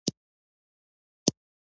وادي د افغانستان د موسم د بدلون سبب کېږي.